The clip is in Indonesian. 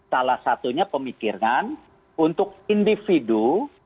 salah satunya pemikiran untuk individu